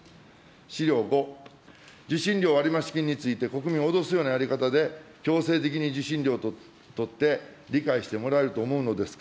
資料５、受信料割増金について、国民を脅すようなやり方で、強制的に受信料を取って、理解してもらえると思うのですか。